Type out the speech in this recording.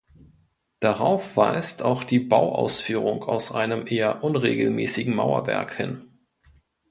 Darauf weist auch die Bauausführung aus einem eher unregelmäßigen Mauerwerk hin.